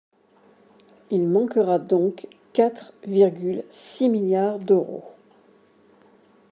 Il manquera donc quatre virgule six milliards d’euros.